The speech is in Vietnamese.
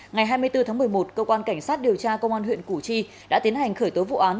ngày hai mươi bốn tháng một mươi một cơ quan cảnh sát điều tra công an huyện củ chi đã tiến hành khởi tố vụ án